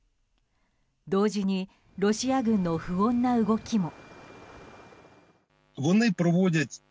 同時に、ロシア軍の不穏な動きも。